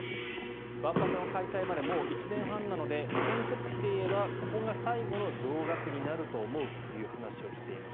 万博の開催までもう１年半なので建設費で言えばここが最後の増額になると思うという話をしています。